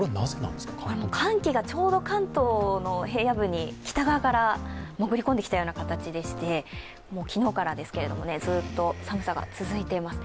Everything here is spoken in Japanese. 寒気がちょうど関東の平野部に北側から潜り込んできたような形でもう昨日からですけれどもずっと寒さが続いています。